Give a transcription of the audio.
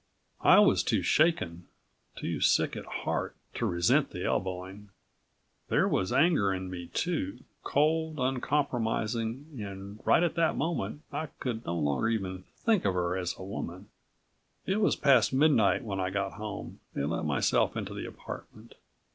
I was too shaken, too sick at heart, to resent the elbowing. There was anger in me too, cold, uncompromising and right at that moment I could no longer even think of her as a woman. It was past midnight when I got home and let myself into the apartment.